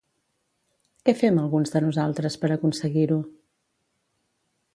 Què fem alguns de nosaltres per aconseguir-ho?